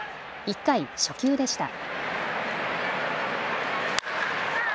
１回、初球でした。